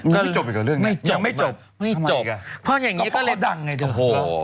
มันยังไม่จบอีกหรอเรื่องนี้ยังไม่จบทำไมอีกพอเขาดังไงเดี๋ยว